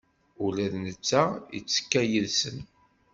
Ula d netta ittekka yid-sen.